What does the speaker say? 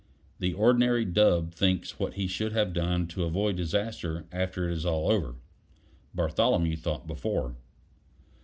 The ordinary dub thinks what he should have done to avoid disaster after it is all over; Bartholomew thought before.